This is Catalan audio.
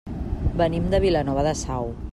Venim de Vilanova de Sau.